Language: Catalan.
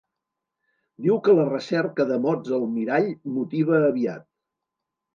Diu que la recerca de mots almirall motiva aviat.